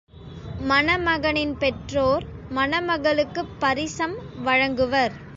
மணமகனின் பெற்றோர் மணமகளுக்குப் பரிசம் வழங்குவர்.